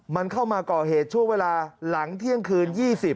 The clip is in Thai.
มันเข้ามาก่อเหตุช่วงเวลาหลังเที่ยงคืน๒๐